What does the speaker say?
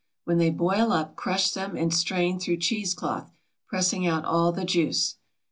When they boil up crush them and strain through cheese cloth, pressing out all the juice.